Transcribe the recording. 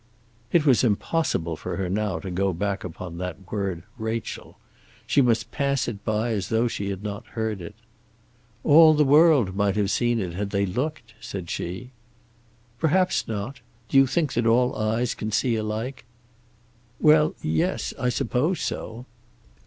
It was impossible for her now to go back upon that word Rachel. She must pass it by as though she had not heard it. "All the world might have seen it had they looked," said she. "Perhaps not. Do you think that all eyes can see alike?" "Well, yes; I suppose so."